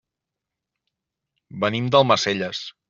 Venim d'Almacelles.